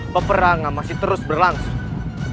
peperangan masih terus berlangsung